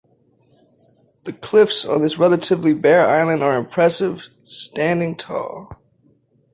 The cliffs on this relatively bare island are impressive, standing tall.